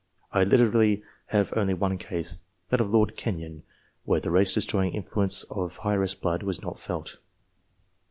I literally have only one case, that of Lord Kenyon, where the race destroying influence of heiress blood was not felt.